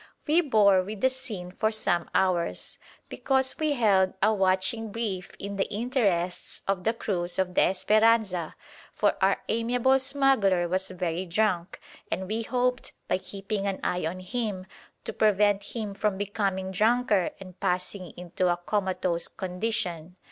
We bore with the scene for some hours, because we held a "watching brief" in the interests of the cruise of the "Esperanza"; for our "amiable smuggler" was very drunk, and we hoped, by keeping an eye on him, to prevent him from becoming drunker and passing into a comatose condition.